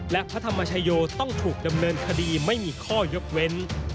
และพระธรรมชโยต้องถูกดำเนินคดีไม่มีข้อยกเว้น